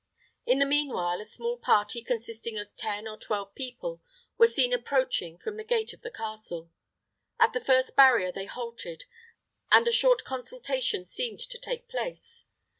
In the meanwhile, a small party, consisting of ten or twelve people, were seen approaching from the gate of the castle. At the first barrier they halted, and a short consultation seemed to take place.